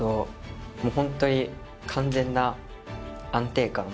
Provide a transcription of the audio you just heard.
ホントに完全な安定感。